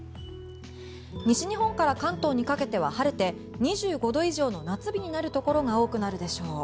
西日本から関東にかけては晴れて２５度以上の夏日になるところが多くなるでしょう。